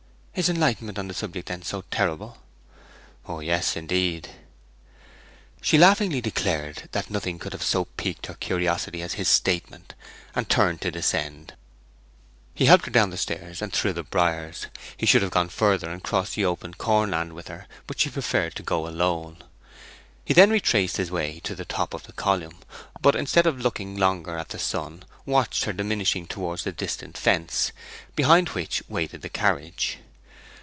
'Is enlightenment on the subject, then, so terrible?' 'Yes, indeed.' She laughingly declared that nothing could have so piqued her curiosity as his statement, and turned to descend. He helped her down the stairs and through the briers. He would have gone further and crossed the open corn land with her, but she preferred to go alone. He then retraced his way to the top of the column, but, instead of looking longer at the sun, watched her diminishing towards the distant fence, behind which waited the carriage.